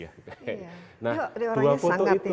iya orangnya sangat intelektual